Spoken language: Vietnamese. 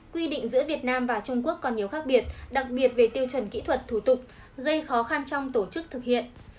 quy định giữa việt nam và trung quốc còn nhiều khác biệt đặc biệt về tiêu chuẩn kỹ thuật thủ tục gây khó khăn trong tổ chức thực hiện